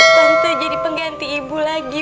tante jadi pengganti ibu lagi